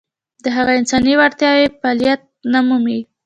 د هغه انساني وړتیاوې فعلیت نه مومي.